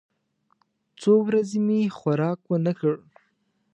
څو ورځې مې خوراک ونه کړ.